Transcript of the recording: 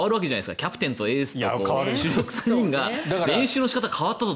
キャプテンとエース、主力３人が練習の仕方が変わったぞと。